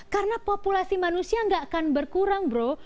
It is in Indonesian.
karena populasi manusia tidak akan berkurang bro